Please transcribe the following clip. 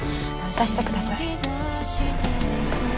出してください。